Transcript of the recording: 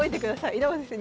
稲葉先生